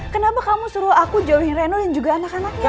kenapa kamu suruh aku jauhin reno yang juga anak anaknya